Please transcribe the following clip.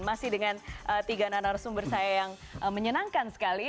masih dengan tiga narasumber saya yang menyenangkan sekali